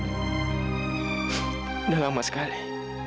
sudah lama sekali